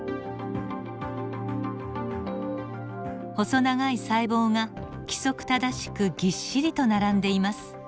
細長い細胞が規則正しくぎっしりと並んでいます。